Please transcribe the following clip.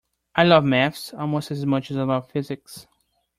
I love maths almost as much as I love physics